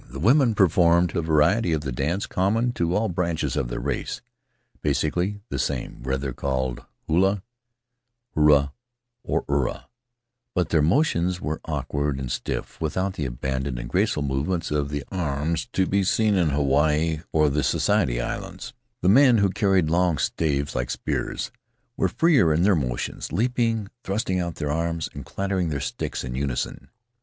The women per formed a variety of the dance common to all branches of their race — basically the same whether called hula, hura, or ura — but their motions were awkward and stiff, without the abandon and graceful movements of the arms to be seen in Hawaii or the Society Islands. Faery Lands of the South Seas The men, who carried long staves like spears, were freer in their motions, leaping, thrusting out their arms, and clattering their sticks in unison.